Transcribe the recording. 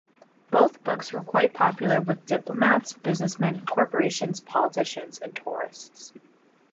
Both books were quite popular with diplomats, businessmen, corporations, politicians and tourists.